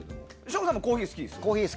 省吾さんもコーヒー好きですよね。